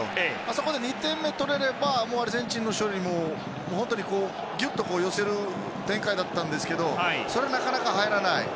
そこで２点目を取れればアルゼンチンは勝利を本当にぎゅっと寄せる展開だったんですけどそれがなかなか入らない。